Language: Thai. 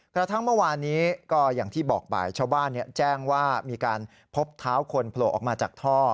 กระทั่งเมื่อวานนี้ก็อย่างที่บอกบ่ายชาวบ้านแจ้งว่ามีการพบเท้าคนโผล่ออกมาจากท่อ